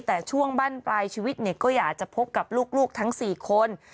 แต่ช่วงบ้านปลายชีวิตเนี่ยก็อยากจะพบกับลูกทั้ง๔คน